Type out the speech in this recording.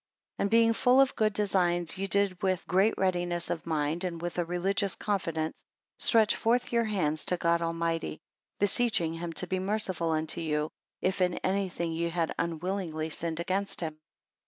11 And being full of good designs, ye did with, great readiness of mind, and with a religious confidence stretch forth your hands to God Almighty; beseeching him to be merciful unto you, if in anything ye had unwillingly sinned against him.